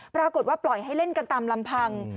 ปรากฏว่าปล่อยให้เล่นกันตามลำพัง